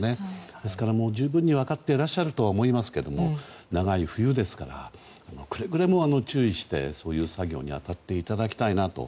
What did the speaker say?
ですから十分に分かっていらっしゃっているとは思いますが長い冬ですからくれぐれも注意してそういう作業に当たっていただきたいなと。